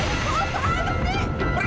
aduh teteh ampun